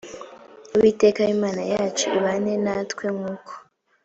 uwiteka imana yacu ibane natwe nk uko